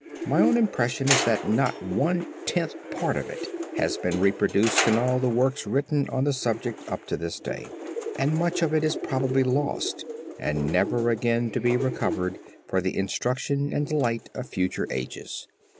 My own impression is that not one tenth part of it has been reproduced in all the works written on the subject up to this day, and much of it is probably lost and never again to be recovered for the instruction and delight of future ages."